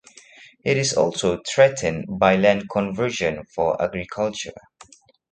It is also threatened by land conversion for agriculture.